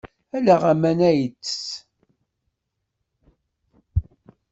Ala aman ay yettess.